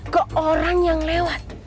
ke orang yang lewat